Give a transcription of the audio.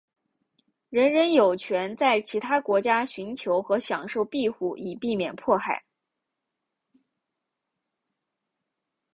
人人有权在其他国家寻求和享受庇护以避免迫害。